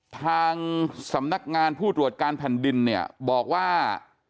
ทางสำนักงานผู้ตรวจการแผ่นดินเนี่ยบอกว่า